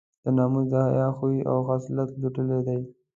د ناموس د حیا خوی او خصلت لوټلی دی.